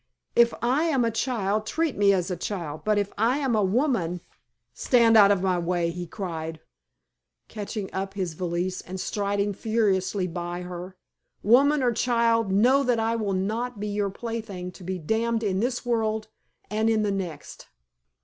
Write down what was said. If I am a child, treat me as a child; but if I am a woman " "Stand out of my way!" he cried, catching up his valise and striding furiously by her. "Woman or child, know that I will not be your plaything to be damned in this world and in the next."